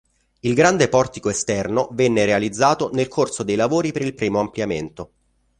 Il grande portico esterno venne realizzato nel corso dei lavori per il primo ampliamento.